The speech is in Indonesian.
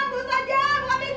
paranda buruk saja buka pintu